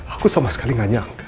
aku sama sekali gak nyangka